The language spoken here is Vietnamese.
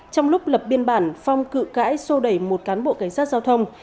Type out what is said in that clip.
trong lúc lập biên bản phong cự cãi sô đẩy một cán bộ cảnh sát giao thông